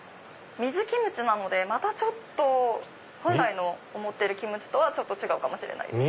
水キムチなので本来の思ってるキムチとはちょっと違うかもしれないです。